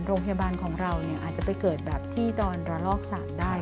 โรงพยาบาลของเราอาจจะไปเกิดแบบที่ดอนระลอก๓ได้